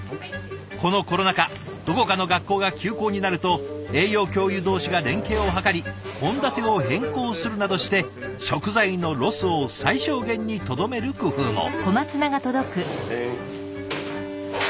このコロナ禍どこかの学校が休校になると栄養教諭同士が連携を図り献立を変更するなどして食材のロスを最小限にとどめる工夫も。